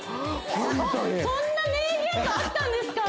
ホントにそんな名言があったんですか！？